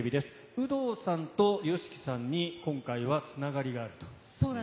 有働さんとＹＯＳＨＩＫＩさんに今回はつながりがあると。